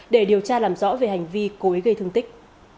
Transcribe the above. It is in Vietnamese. để điều tra làm rõ về hành vi cố ý gây thương tích